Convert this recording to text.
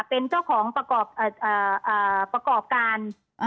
เป็นเจ้าของประกอบการ